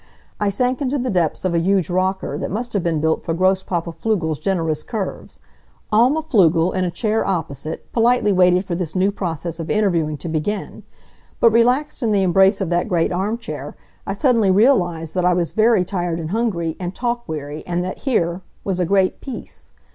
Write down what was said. I sank into the depths of a huge rocker that must have been built for Grosspapa Pflugel's generous curves. Alma Pflugel, in a chair opposite, politely waited for this new process of interviewing to begin, but relaxed in the embrace of that great armchair I suddenly realized that I was very tired and hungry, and talk weary, and that here; was a great peace.